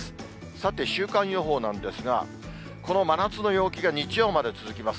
さて、週間予報なんですが、この真夏の陽気が日曜まで続きます。